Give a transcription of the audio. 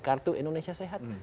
kartu indonesia sehat